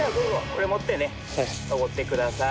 これ持ってね登ってください。